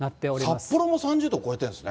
札幌も３０度超えてるんですね。